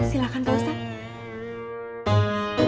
silahkan pak ustadz